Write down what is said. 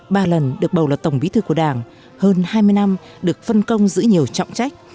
ba lần được bầu là tổng bí thư của đảng hơn hai mươi năm được phân công giữ nhiều trọng trách